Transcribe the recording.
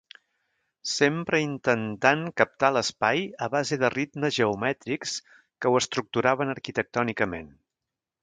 Sempre intentant captar l'espai a base de ritmes geomètrics que ho estructuraven arquitectònicament.